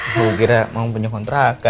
bu kira mama punya kontrakan